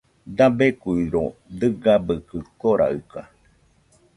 Dabeikuiro dɨgabɨkɨ koraɨka